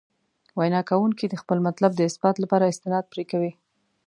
وینا کوونکي د خپل مطلب د اثبات لپاره استناد پرې کوي.